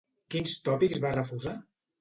Quins tòpics va refusar?